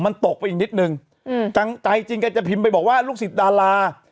มันตกไปอีกนิดนึงใจจริงแกจะพิมพ์ไปบอกว่าลูกศิษย์ดารา